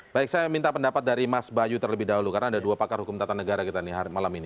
baik saya minta pendapat dari mas bayu terlebih dahulu karena ada dua pakar hukum tata negara kita nih malam ini